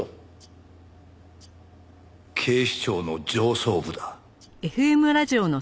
警視庁の上層部だ。